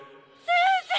先生。